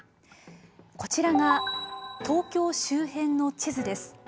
こちらが、東京周辺の地図です。